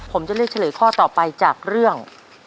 ผมจะเลือกเฉลยข้อต่อไปจากเรื่อง